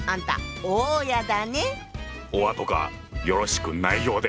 おあとがよろしくないようで！